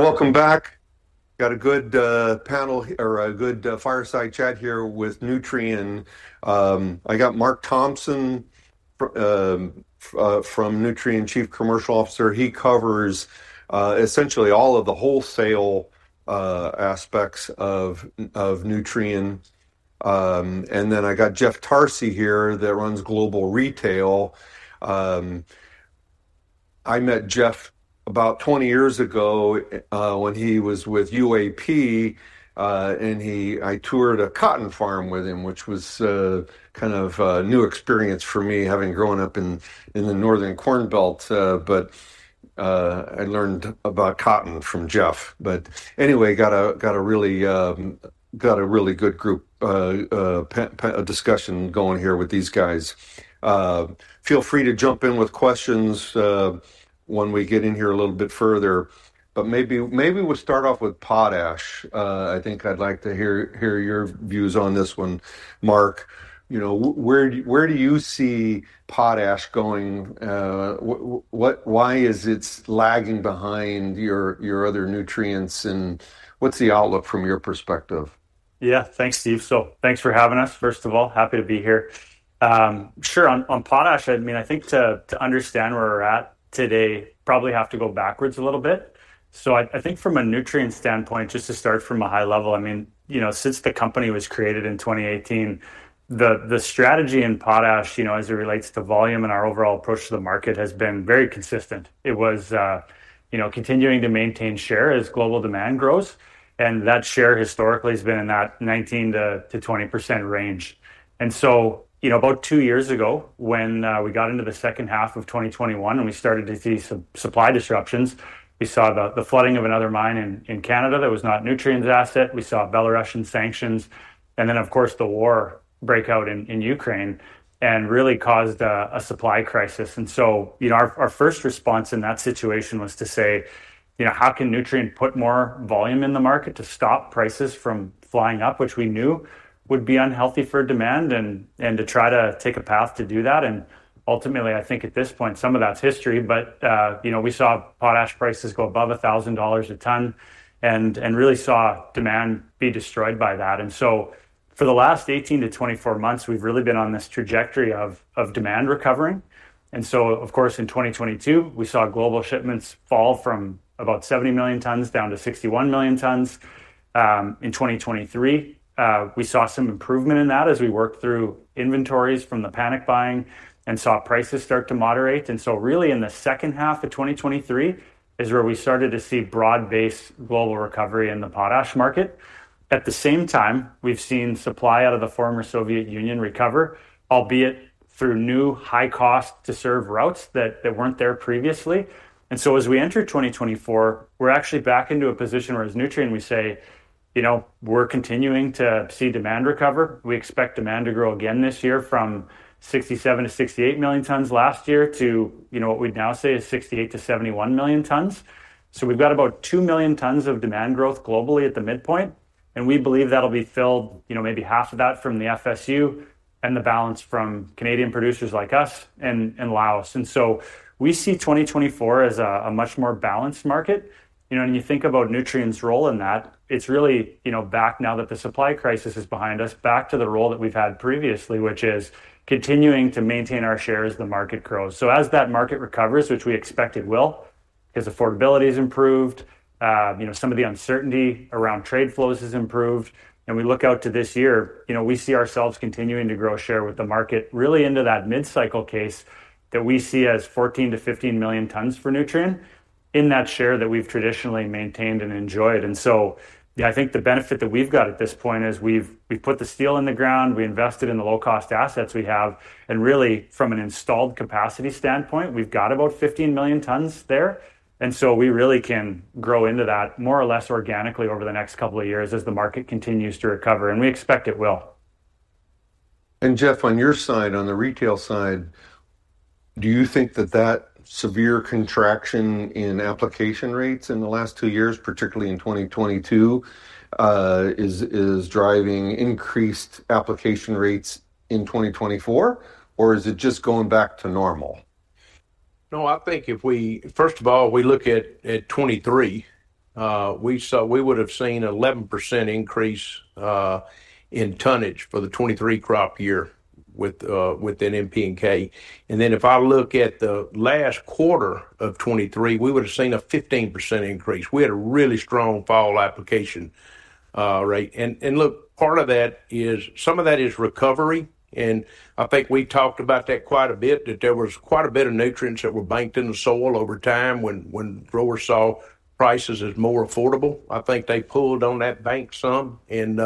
Welcome back. Got a good panel, or a good fireside chat here with Nutrien. I got Mark Thompson from Nutrien, Chief Commercial Officer. He covers essentially all of the wholesale aspects of Nutrien. And then I got Jeff Tarsi here that runs Global Retail. I met Jeff about 20 years ago, when he was with UAP, and I toured a cotton farm with him, which was kind of a new experience for me, having grown up in the northern Corn Belt. But I learned about cotton from Jeff. But anyway, got a really good group, a discussion going here with these guys. Feel free to jump in with questions, when we get in here a little bit further. But maybe we'll start off with potash. I think I'd like to hear your views on this one, Mark. You know, where do you see potash going? What... Why is it lagging behind your other nutrients, and what's the outlook from your perspective? Yeah. Thanks, Steve. So thanks for having us, first of all. Happy to be here. Sure, on potash, I mean, I think to understand where we're at today, probably have to go backwards a little bit. So I think from a Nutrien standpoint, just to start from a high level, I mean, you know, since the company was created in 2018, the strategy in potash, you know, as it relates to volume and our overall approach to the market, has been very consistent. It was, you know, continuing to maintain share as global demand grows, and that share historically has been in that 19%-20% range. And so, you know, about two years ago, when we got into the second half of 2021 and we started to see some supply disruptions, we saw the flooding of another mine in Canada that was not Nutrien's asset. We saw Belarusian sanctions, and then, of course, the war break out in Ukraine and really caused a supply crisis. And so, you know, our first response in that situation was to say, you know, "How can Nutrien put more volume in the market to stop prices from flying up?" Which we knew would be unhealthy for demand, and to try to take a path to do that, and ultimately, I think at this point, some of that's history. But, you know, we saw potash prices go above $1,000 a ton and really saw demand be destroyed by that. And so for the last 18-24 months, we've really been on this trajectory of demand recovering. And so, of course, in 2022, we saw global shipments fall from about 70 million tons down to 61 million tons. In 2023, we saw some improvement in that as we worked through inventories from the panic buying and saw prices start to moderate. And so really, in the second half of 2023 is where we started to see broad-based global recovery in the potash market. At the same time, we've seen supply out of the former Soviet Union recover, albeit through new, high-cost-to-serve routes that weren't there previously. And so as we enter 2024, we're actually back into a position where, as Nutrien, we say, you know, we're continuing to see demand recover. We expect demand to grow again this year from 67 million-68 million tons last year to, you know, what we'd now say is 68 million-71 million tons. So we've got about two million tons of demand growth globally at the midpoint, and we believe that'll be filled, you know, maybe half of that from the FSU and the balance from Canadian producers like us and, and Laos. And so we see 2024 as a, a much more balanced market. You know, when you think about Nutrien's role in that, it's really, you know, back now that the supply crisis is behind us, back to the role that we've had previously, which is continuing to maintain our share as the market grows. So as that market recovers, which we expect it will, as affordability is improved, you know, some of the uncertainty around trade flows has improved, and we look out to this year, you know, we see ourselves continuing to grow share with the market, really into that mid-cycle case that we see as 14 million-15 million tons for Nutrien in that share that we've traditionally maintained and enjoyed. And so I think the benefit that we've got at this point is we've, we've put the steel in the ground. We invested in the low-cost assets we have, and really, from an installed capacity standpoint, we've got about 15 million tons there. And so we really can grow into that more or less organically over the next couple of years as the market continues to recover, and we expect it will. Jeff, on your side, on the retail side, do you think that that severe contraction in application rates in the last two years, particularly in 2022, is driving increased application rates in 2024, or is it just going back to normal? No, I think if we... First of all, we look at, at 2023, we would've seen an 11% increase in tonnage for the 2023 crop year with, within N, P and K. And then, if I look at the last quarter of 2023, we would've seen a 15% increase. We had a really strong fall application rate. And look, part of that is, some of that is recovery, and I think we talked about that quite a bit, that there was quite a bit of nutrients that were banked in the soil over time when growers saw prices as more affordable. I think they pulled on that bank some, and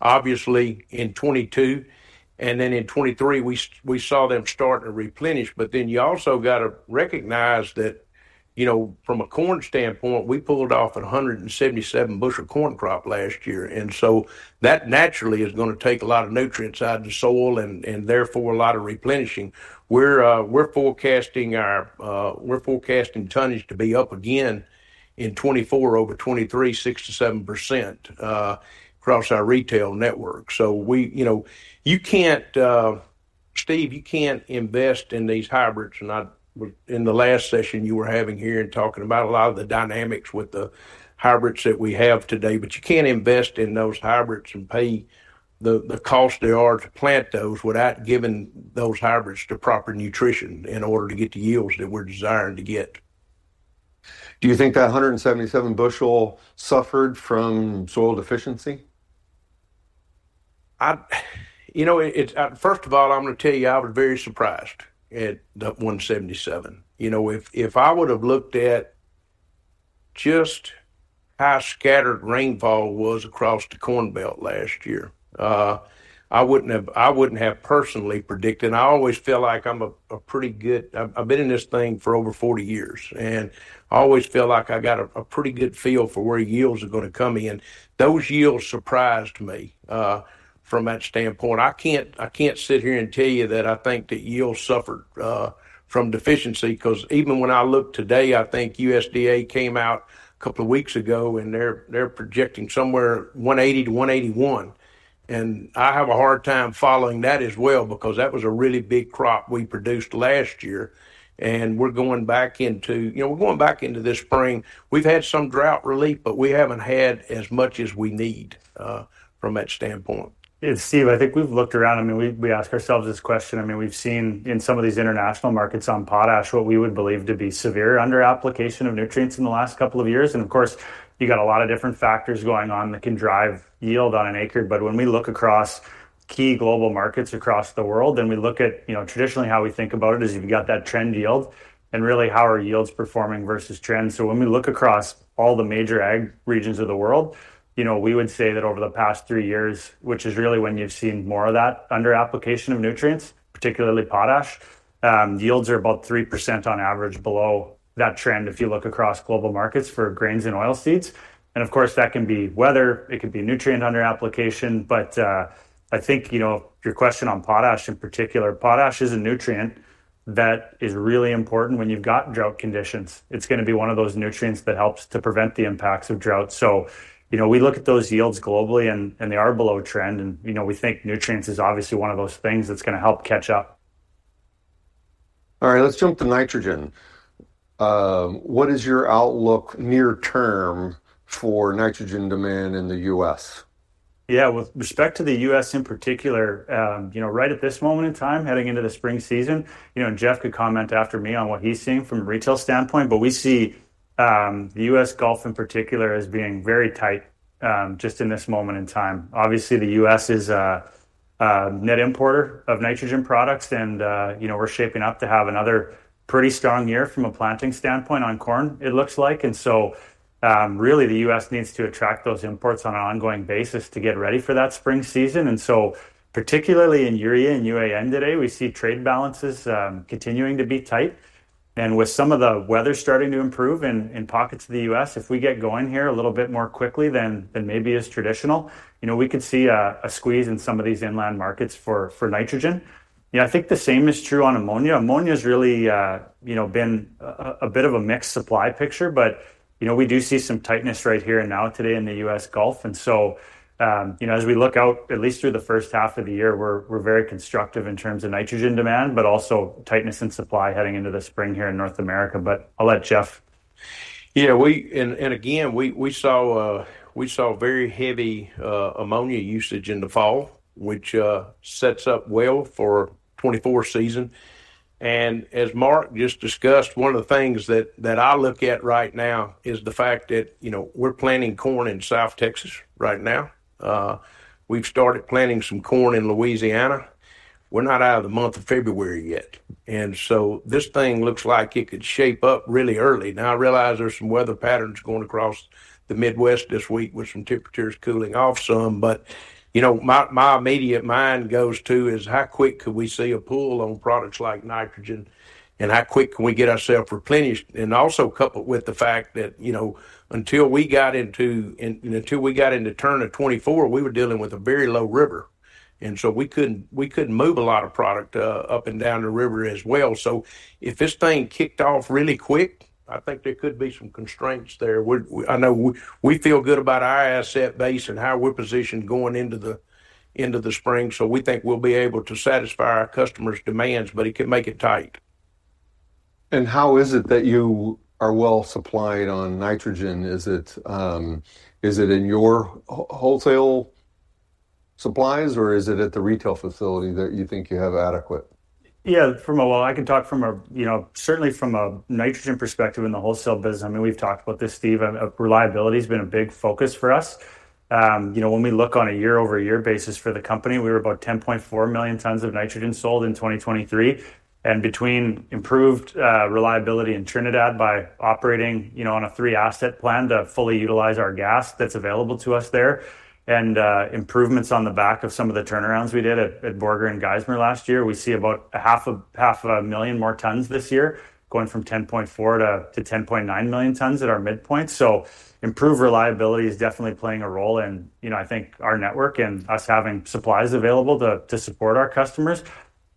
obviously, in 2022, and then in 2023, we saw them start to replenish. But then you also got to recognize that, you know, from a corn standpoint, we pulled off a 177-bushel corn crop last year, and so that naturally is gonna take a lot of nutrients out of the soil and, and therefore, a lot of replenishing. We're forecasting our tonnage to be up again in 2024, over 2023, 6%-7%, across our retail network. So, you know, you can't, Steve, you can't invest in these hybrids, and in the last session you were having here and talking about a lot of the dynamics with the hybrids that we have today. But you can't invest in those hybrids and pay the, the cost they are to plant those without giving those hybrids the proper nutrition in order to get the yields that we're desiring to get. Do you think that 177 bushel suffered from soil deficiency? You know, first of all, I'm gonna tell you, I was very surprised at the 177. You know, if I would've looked at just how scattered rainfall was across the Corn Belt last year, I wouldn't have personally predicted. And I always feel like I'm a pretty good—I've been in this thing for over 40 years, and I always feel like I got a pretty good feel for where yields are gonna come in. Those yields surprised me from that standpoint. I can't sit here and tell you that I think the yields suffered from deficiency, 'cause even when I look today, I think USDA came out a couple of weeks ago, and they're projecting somewhere 180-181. I have a hard time following that as well, because that was a really big crop we produced last year, and we're going back into... You know, we're going back into this spring. We've had some drought relief, but we haven't had as much as we need from that standpoint. Yeah, Steve, I think we've looked around. I mean, we ask ourselves this question. I mean, we've seen in some of these international markets on potash what we would believe to be severe underapplication of nutrients in the last couple of years. And of course, you got a lot of different factors going on that can drive yield on an acre. But when we look across key global markets across the world, and we look at, you know, traditionally how we think about it, is you've got that trend yield and really how are yields performing versus trends. So when we look across all the major ag regions of the world, you know, we would say that over the past three years, which is really when you've seen more of that underapplication of nutrients, particularly potash, yields are about 3% on average below that trend if you look across global markets for grains and oilseeds. And of course, that can be weather, it could be nutrient underapplication. But, I think, you know, your question on potash in particular, potash is a nutrient that is really important when you've got drought conditions. It's gonna be one of those nutrients that helps to prevent the impacts of drought. So, you know, we look at those yields globally, and they are below trend, and, you know, we think nutrients is obviously one of those things that's gonna help catch up. All right, let's jump to nitrogen. What is your outlook near term for nitrogen demand in the U.S.? Yeah, with respect to the U.S. in particular, you know, right at this moment in time, heading into the spring season, you know, and Jeff could comment after me on what he's seeing from a retail standpoint, but we see the U.S. Gulf in particular as being very tight, just in this moment in time. Obviously, the U.S. is a net importer of nitrogen products, and you know, we're shaping up to have another pretty strong year from a planting standpoint on corn, it looks like. And so, really, the U.S. needs to attract those imports on an ongoing basis to get ready for that spring season. And so particularly in urea and UAN today, we see trade balances continuing to be tight. And with some of the weather starting to improve in pockets of the U.S., if we get going here a little bit more quickly than maybe is traditional, you know, we could see a squeeze in some of these inland markets for nitrogen. Yeah, I think the same is true on ammonia. Ammonia's really, you know, been a bit of a mixed supply picture, but, you know, we do see some tightness right here and now today in the U.S. Gulf. And so, you know, as we look out at least through the first half of the year, we're very constructive in terms of nitrogen demand, but also tightness in supply heading into the spring here in North America. But I'll let Jeff- Yeah, we saw very heavy ammonia usage in the fall, which sets up well for 2024 season. And as Mark just discussed, one of the things that I look at right now is the fact that, you know, we're planting corn in South Texas right now. We've started planting some corn in Louisiana. We're not out of the month of February yet, and so this thing looks like it could shape up really early. Now, I realize there's some weather patterns going across the Midwest this week, with some temperatures cooling off some. But, you know, my immediate mind goes to is, how quick could we see a pool on products like nitrogen, and how quick can we get ourselves replenished? And also coupled with the fact that, you know, until we got into... Until we got into turn of 2024, we were dealing with a very low river, and so we couldn't move a lot of product up and down the river as well. So if this thing kicked off really quick, I think there could be some constraints there. We, I know we feel good about our asset base and how we're positioned going into the end of the spring, so we think we'll be able to satisfy our customers' demands, but it could make it tight. How is it that you are well-supplied on nitrogen? Is it, is it in your wholesale supplies, or is it at the retail facility that you think you have adequate? Yeah, well, I can talk from a, you know, certainly from a nitrogen perspective in the wholesale business, I mean, we've talked about this, Steve. Reliability's been a big focus for us. You know, when we look on a year-over-year basis for the company, we were about 10.4 million tons of nitrogen sold in 2023. And between improved reliability in Trinidad by operating, you know, on a three-asset plan to fully utilize our gas that's available to us there, and improvements on the back of some of the turnarounds we did at Borger and Geismar last year, we see about 500,000 more tons this year, going from 10.4 million-10.9 million tons at our midpoint. Improved reliability is definitely playing a role in, you know, I think our network and us having supplies available to support our customers.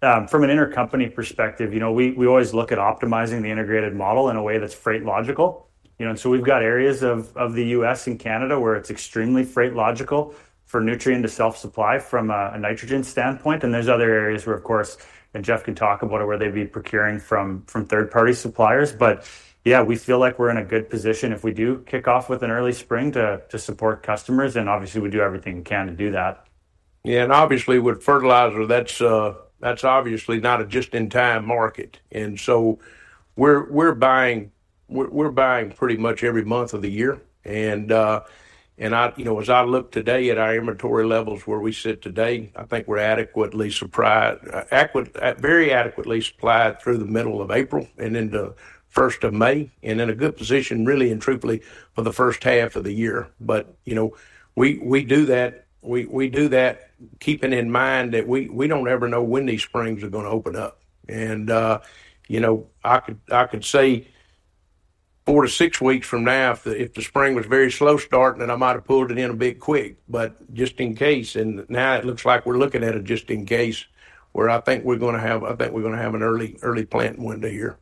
From an intercompany perspective, you know, we always look at optimizing the integrated model in a way that's freight logical, you know? And so we've got areas of the U.S. and Canada where it's extremely freight logical... for nutrient to self-supply from a nitrogen standpoint, and there's other areas where, of course, and Jeff can talk about it, where they'd be procuring from third-party suppliers. But yeah, we feel like we're in a good position if we do kick off with an early spring to support customers, and obviously, we do everything we can to do that. Yeah, and obviously, with fertilizer, that's obviously not a just-in-time market, and so we're buying pretty much every month of the year. And I, you know, as I look today at our inventory levels where we sit today, I think we're adequately supplied, very adequately supplied through the middle of April and into 1st of May, and in a good position, really and truthfully, for the first half of the year. But, you know, we do that keeping in mind that we don't ever know when these springs are gonna open up. And, you know, I could say four to six weeks from now if the spring was very slow starting, then I might have pulled it in a bit quick. But just in case, and now it looks like we're looking at a just in case, where I think we're gonna have, I think we're gonna have an early, early planting window here.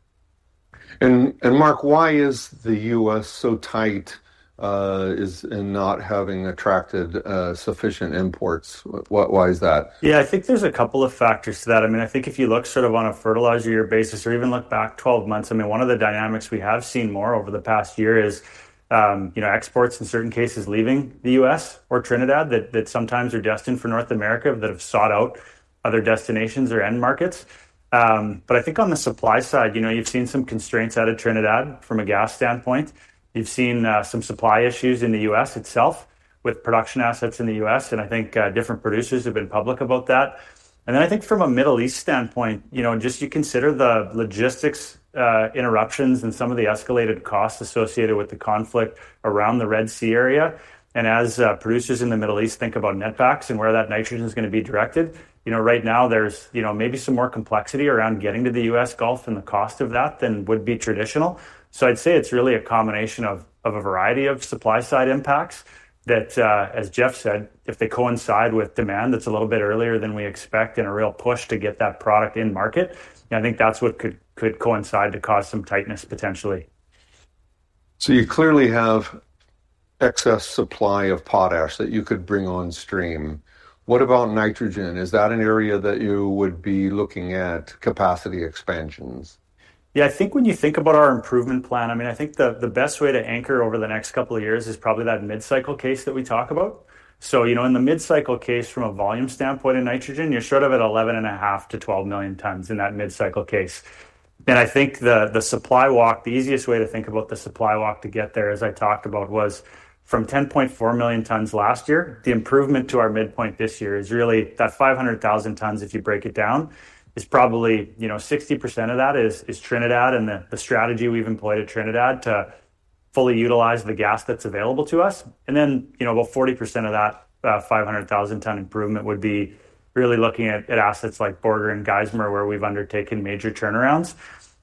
Mark, why is the U.S. so tight in not having attracted sufficient imports? Why is that? Yeah, I think there's a couple of factors to that. I mean, I think if you look sort of on a Fertilizer Year basis or even look back 12 months, I mean, one of the dynamics we have seen more over the past year is, you know, exports in certain cases leaving the U.S. or Trinidad that, that sometimes are destined for North America, that have sought out other destinations or end markets. But I think on the supply side, you know, you've seen some constraints out of Trinidad from a gas standpoint. You've seen, some supply issues in the U.S. itself with production assets in the U.S., and I think, different producers have been public about that. And then I think from a Middle East standpoint, you know, just you consider the logistics interruptions and some of the escalated costs associated with the conflict around the Red Sea area. And as producers in the Middle East think about netbacks and where that nitrogen is gonna be directed, you know, right now there's, you know, maybe some more complexity around getting to the U.S. Gulf and the cost of that than would be traditional. So I'd say it's really a combination of a variety of supply-side impacts that, as Jeff said, if they coincide with demand, that's a little bit earlier than we expect and a real push to get that product in market. And I think that's what could coincide to cause some tightness potentially. You clearly have excess supply of potash that you could bring on stream. What about nitrogen? Is that an area that you would be looking at capacity expansions? Yeah, I think when you think about our improvement plan, I mean, I think the, the best way to anchor over the next couple of years is probably that mid-cycle case that we talk about. So, you know, in the mid-cycle case, from a volume standpoint in nitrogen, you're short of at 11.5 million-12 million tons in that mid-cycle case. And I think the, the supply walk, the easiest way to think about the supply walk to get there, as I talked about, was from 10.4 million tons last year, the improvement to our midpoint this year is really that 500,000 tons, if you break it down, is probably, you know, 60% of that is, is Trinidad and the, the strategy we've employed at Trinidad to fully utilize the gas that's available to us. And then, you know, about 40% of that, five hundred thousand ton improvement would be really looking at, at assets like Borger and Geismar, where we've undertaken major turnarounds.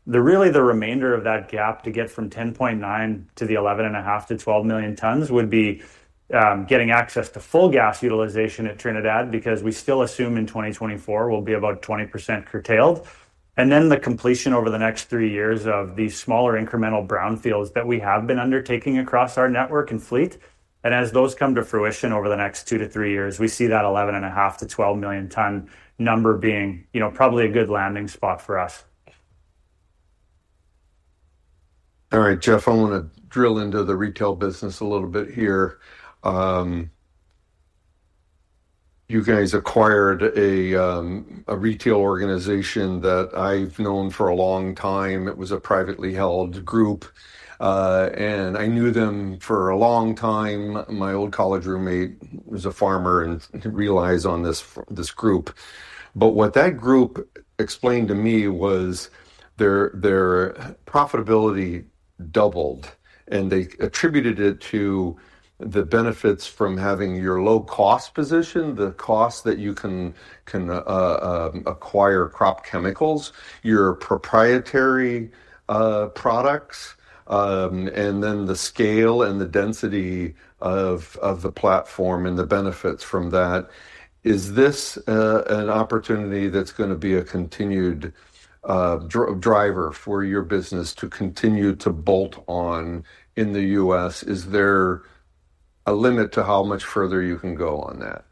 Really the remainder of that gap to get from 10.9 million to the 11.5-12 million tons would be, getting access to full gas utilization at Trinidad, because we still assume in 2024 we'll be about 20% curtailed. And then the completion over the next three years of these smaller incremental brownfields that we have been undertaking across our network and fleet. And as those come to fruition over the next two to three years, we see that 11.5 million-12 million ton number being, you know, probably a good landing spot for us. All right, Jeff, I want to drill into the retail business a little bit here. You guys acquired a retail organization that I've known for a long time. It was a privately held group, and I knew them for a long time. My old college roommate was a farmer and relied on this group. But what that group explained to me was their profitability doubled, and they attributed it to the benefits from having your low-cost position, the cost that you can acquire crop chemicals, your proprietary products, and then the scale and the density of the platform and the benefits from that. Is this an opportunity that's gonna be a continued driver for your business to continue to bolt on in the U.S.? Is there a limit to how much further you can go on that?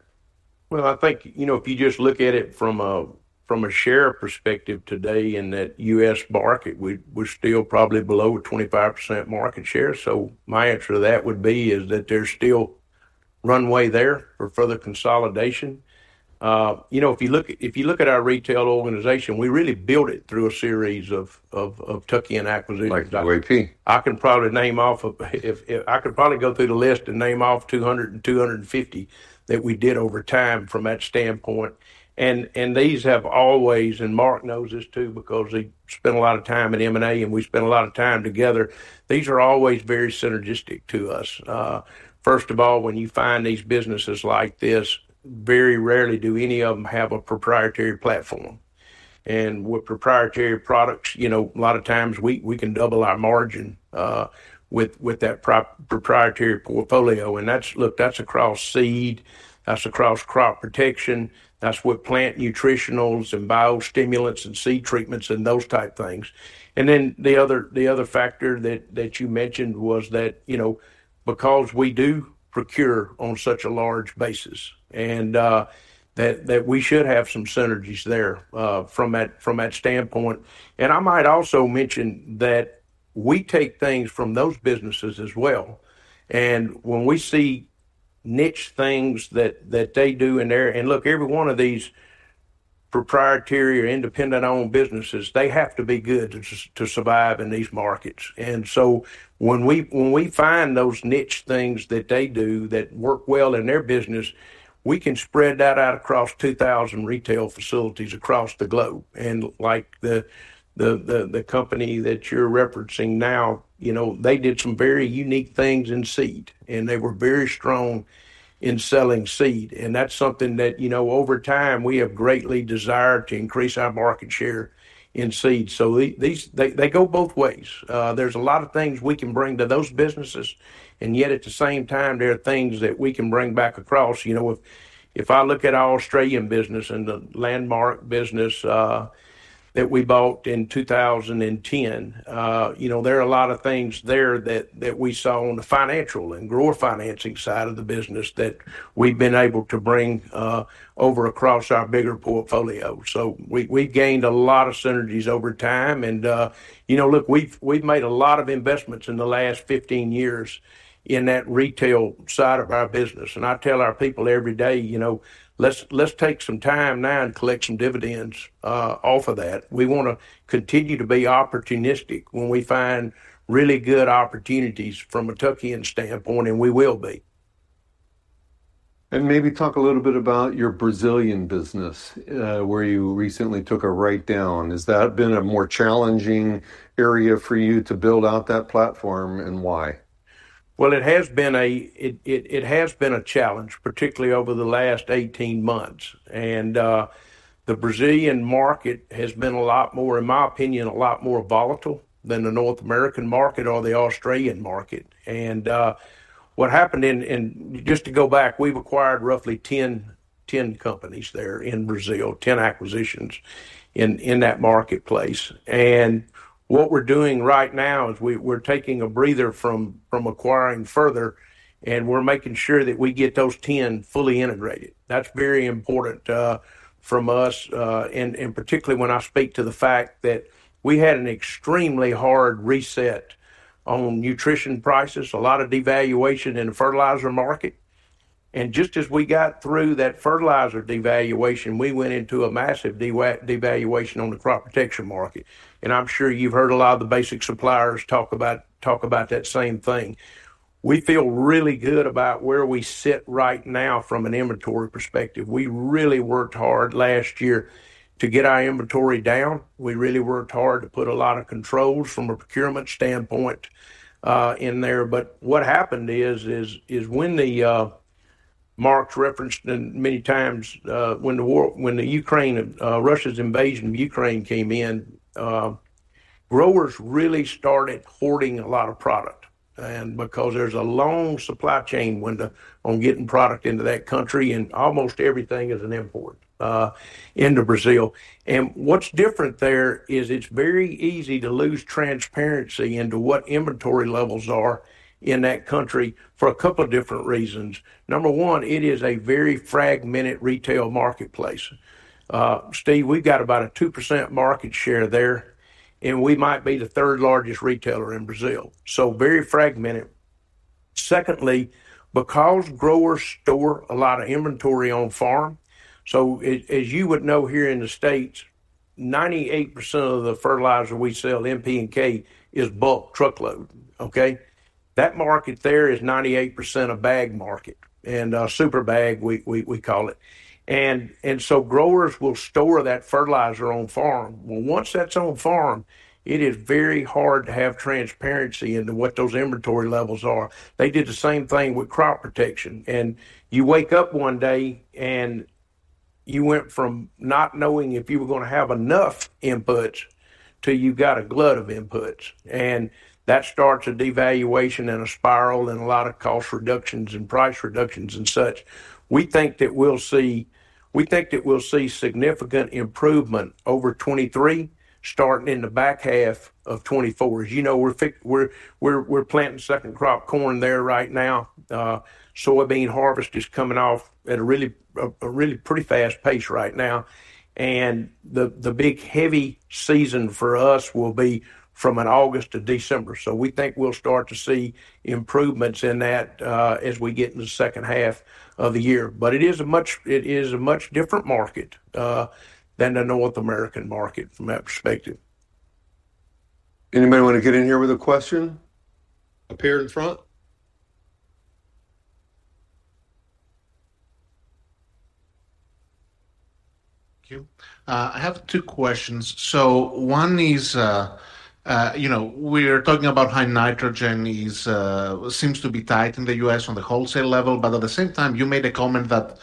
Well, I think, you know, if you just look at it from a share perspective today in that U.S. market, we're still probably below a 25% market share. So my answer to that would be is that there's still runway there for further consolidation. You know, if you look at our retail organization, we really built it through a series of tuck-in acquisitions- Like the UAP. I could probably go through the list and name off 200 to 250 that we did over time from that standpoint. And these have always, and Mark knows this too, because he spent a lot of time at M&A, and we spent a lot of time together. These are always very synergistic to us. First of all, when you find these businesses like this, very rarely do any of them have a proprietary platform. And with proprietary products, you know, a lot of times we can double our margin with that proprietary portfolio. And that's, look, that's across seed, that's across crop protection, that's with plant nutritionals and biostimulants and seed treatments and those type of things. And then the other factor that you mentioned was that, you know, because we do procure on such a large basis, and that we should have some synergies there, from that standpoint. And I might also mention that we take things from those businesses as well. And when we see niche things that they do in there. And look, every one of these proprietary or independent-owned businesses, they have to be good to survive in these markets. And so when we find those niche things that they do that work well in their business, we can spread that out across 2,000 retail facilities across the globe. And like the company that you're referencing now, you know, they did some very unique things in seed, and they were very strong in selling seed. That's something that, you know, over time, we have greatly desired to increase our market share in seed. So these go both ways. There's a lot of things we can bring to those businesses, and yet, at the same time, there are things that we can bring back across. You know, if I look at our Australian business and the Landmark business that we bought in 2010, you know, there are a lot of things there that we saw on the financial and grower financing side of the business that we've been able to bring over across our bigger portfolio. So we gained a lot of synergies over time and, you know, look, we've made a lot of investments in the last 15 years in that retail side of our business. I tell our people every day, you know, "Let's take some time now and collect some dividends off of that." We wanna continue to be opportunistic when we find really good opportunities from a tuck-in standpoint, and we will be. Maybe talk a little bit about your Brazilian business, where you recently took a write-down. Has that been a more challenging area for you to build out that platform, and why? Well, it has been a challenge, particularly over the last 18 months. And the Brazilian market has been a lot more, in my opinion, a lot more volatile than the North American market or the Australian market. And what happened in, and just to go back, we've acquired roughly 10 companies there in Brazil, 10 acquisitions in that marketplace. And what we're doing right now is we're taking a breather from acquiring further, and we're making sure that we get those 10 fully integrated. That's very important from us, and particularly when I speak to the fact that we had an extremely hard reset on nutrition prices, a lot of devaluation in the fertilizer market. Just as we got through that fertilizer devaluation, we went into a massive devaluation on the crop protection market. I'm sure you've heard a lot of the basic suppliers talk about that same thing. We feel really good about where we sit right now from an inventory perspective. We really worked hard last year to get our inventory down. We really worked hard to put a lot of controls from a procurement standpoint in there. But what happened is when Mark's referenced it many times, when the war, when the Ukraine, Russia's invasion of Ukraine came in, growers really started hoarding a lot of product, and because there's a long supply chain window on getting product into that country, and almost everything is an import into Brazil. What's different there is it's very easy to lose transparency into what inventory levels are in that country for a couple of different reasons. Number one, it is a very fragmented retail marketplace. Steve, we've got about a 2% market share there, and we might be the third largest retailer in Brazil, so very fragmented. Secondly, because growers store a lot of inventory on farm, so as you would know, here in the States, 98% of the fertilizer we sell, N, P, and K, is bulk truckload, okay? That market there is 98% a bag market, and super bag, we call it. And so growers will store that fertilizer on farm. Well, once that's on farm, it is very hard to have transparency into what those inventory levels are. They did the same thing with crop protection, and you wake up one day, and you went from not knowing if you were gonna have enough inputs to you've got a glut of inputs. And that starts a devaluation and a spiral and a lot of cost reductions and price reductions and such. We think that we'll see significant improvement over 2023, starting in the back half of 2024. As you know, we're planting second crop corn there right now. Soybean harvest is coming off at a really pretty fast pace right now, and the big heavy season for us will be from August to December. So we think we'll start to see improvements in that as we get in the second half of the year. But it is a much different market than the North American market from that perspective. Anybody want to get in here with a question? Up here in the front. Thank you. I have two questions. One is, you know, we're talking about how nitrogen is, seems to be tight in the U.S. on the wholesale level, but at the same time, you made a comment that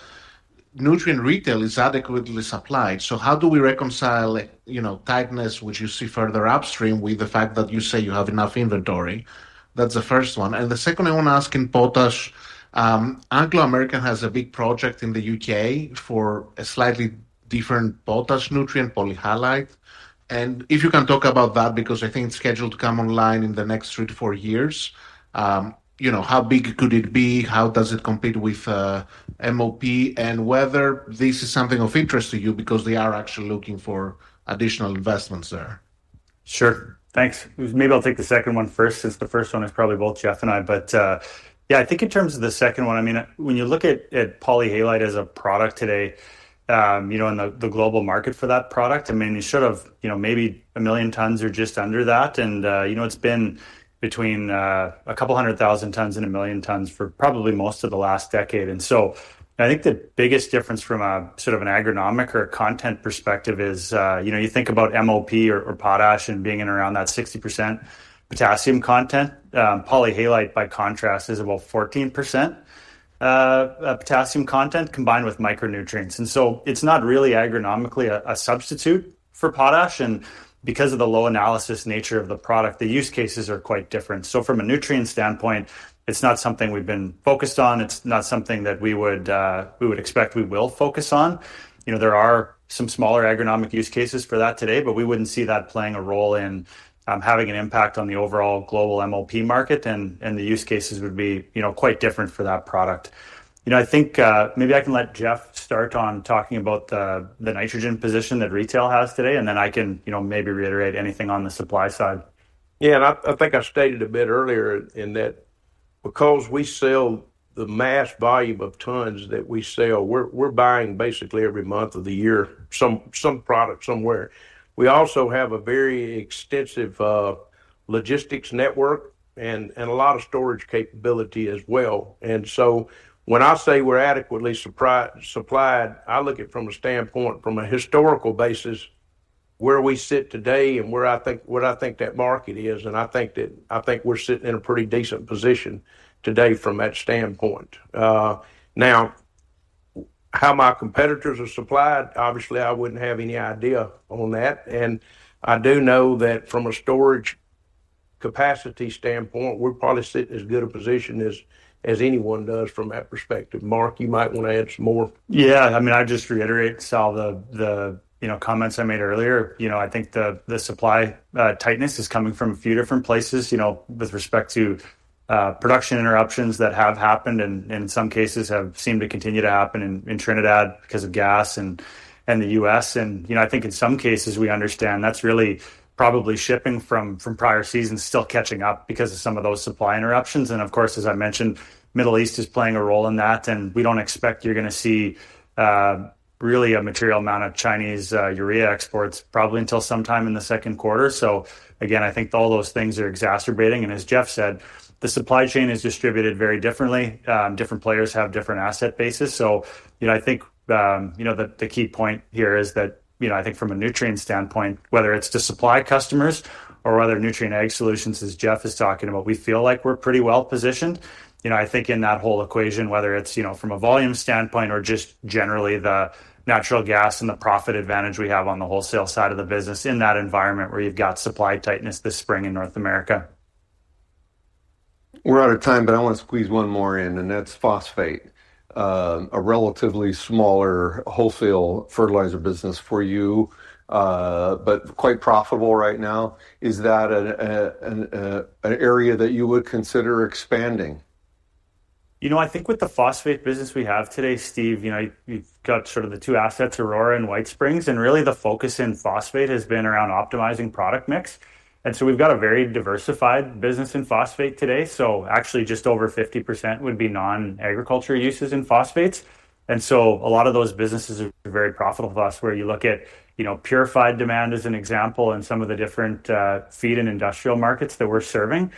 nutrient retail is adequately supplied. So how do we reconcile, you know, tightness, which you see further upstream, with the fact that you say you have enough inventory? That's the first one. The second I want to ask in potash, Anglo American has a big project in the U.K. for a slightly different potash nutrient, polyhalite. And if you can talk about that, because I think it's scheduled to come online in the next three to four years. You know, how big could it be? How does it compete with MOP, and whether this is something of interest to you because they are actually looking for additional investments there?... Sure. Thanks. Maybe I'll take the second one first, since the first one is probably both Jeff and I. But, yeah, I think in terms of the second one, I mean, when you look at polyhalite as a product today, you know, and the global market for that product, I mean, you should have, you know, maybe one million tons or just under that. And, you know, it's been between a couple hundred thousand tons and 1 million tons for probably most of the last decade. And so I think the biggest difference from a sort of an agronomic or a content perspective is, you know, you think about MOP or potash and being in around that 60% potassium content. Polyhalite, by contrast, is about 14% potassium content combined with micronutrients. It's not really agronomically a substitute for potash, and because of the low analysis nature of the product, the use cases are quite different. From a nutrient standpoint, it's not something we've been focused on. It's not something that we would expect we will focus on. You know, there are some smaller agronomic use cases for that today, but we wouldn't see that playing a role in having an impact on the overall global MOP market, and the use cases would be, you know, quite different for that product. You know, I think maybe I can let Jeff start on talking about the nitrogen position that retail has today, and then I can, you know, maybe reiterate anything on the supply side. Yeah, and I think I stated a bit earlier in that because we sell the mass volume of tons that we sell, we're buying basically every month of the year, some product somewhere. We also have a very extensive logistics network and a lot of storage capability as well. And so when I say we're adequately supplied, I look at it from a standpoint, from a historical basis, where we sit today and where I think that market is, and I think that I think we're sitting in a pretty decent position today from that standpoint. Now, how my competitors are supplied, obviously, I wouldn't have any idea on that, and I do know that from a storage capacity standpoint, we're probably sitting in as good a position as anyone does from that perspective. Mark, you might want to add some more. Yeah, I mean, I'd just reiterate, Sal, the, you know, comments I made earlier. You know, I think the supply tightness is coming from a few different places, you know, with respect to production interruptions that have happened, and in some cases have seemed to continue to happen in Trinidad because of gas and the U.S. And, you know, I think in some cases, we understand that's really probably shipping from prior seasons still catching up because of some of those supply interruptions. And of course, as I mentioned, Middle East is playing a role in that, and we don't expect you're gonna see really a material amount of Chinese urea exports, probably until sometime in the second quarter. So again, I think all those things are exacerbating, and as Jeff said, the supply chain is distributed very differently. Different players have different asset bases. So, you know, I think, you know, the key point here is that, you know, I think from a nutrient standpoint, whether it's to supply customers or whether Nutrien Ag Solutions, as Jeff is talking about, we feel like we're pretty well positioned. You know, I think in that whole equation, whether it's, you know, from a volume standpoint or just generally the natural gas and the profit advantage we have on the wholesale side of the business in that environment, where you've got supply tightness this spring in North America. We're out of time, but I want to squeeze one more in, and that's phosphate. A relatively smaller wholesale fertilizer business for you, but quite profitable right now. Is that an area that you would consider expanding? You know, I think with the phosphate business we have today, Steve, you know, you've got sort of the two assets, Aurora and White Springs, and really, the focus in phosphate has been around optimizing product mix. And so we've got a very diversified business in phosphate today. So actually, just over 50% would be non-agriculture uses in phosphates. And so a lot of those businesses are very profitable for us, where you look at, you know, Purified Demand as an example, and some of the different, feed and industrial markets that we're serving.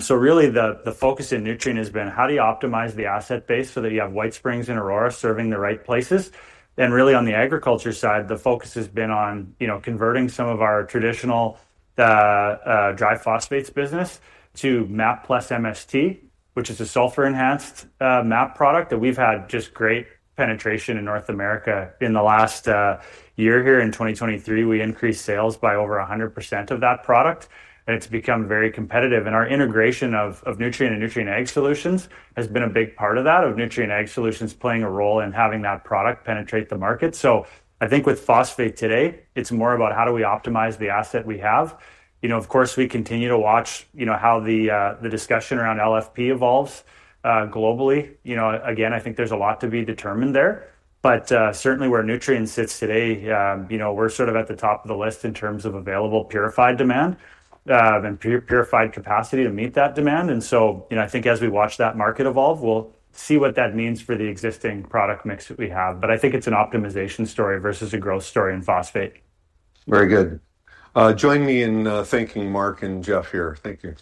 So really, the, the focus in Nutrien has been, how do you optimize the asset base so that you have White Springs and Aurora serving the right places? And really, on the agriculture side, the focus has been on, you know, converting some of our traditional dry phosphates business to MAP plus MST, which is a sulfur-enhanced MAP product that we've had just great penetration in North America. In the last year here in 2023, we increased sales by over 100% of that product, and it's become very competitive. And our integration of Nutrien and Nutrien Ag Solutions has been a big part of that, Nutrien Ag Solutions playing a role in having that product penetrate the market. So I think with phosphate today, it's more about how do we optimize the asset we have. You know, of course, we continue to watch, you know, how the discussion around LFP evolves globally. You know, again, I think there's a lot to be determined there, but certainly, where Nutrien sits today, you know, we're sort of at the top of the list in terms of available purified demand, and purified capacity to meet that demand. And so, you know, I think as we watch that market evolve, we'll see what that means for the existing product mix that we have. But I think it's an optimization story versus a growth story in phosphate. Very good. Join me in thanking Mark and Jeff here. Thank you.